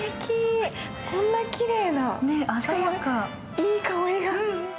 いい香りが。